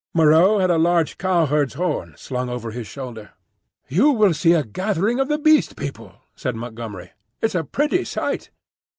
Moreau had a huge cowherd's horn slung over his shoulder. "You will see a gathering of the Beast People," said Montgomery. "It is a pretty sight!"